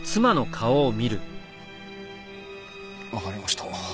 わかりました。